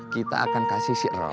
kita akan kasih si roll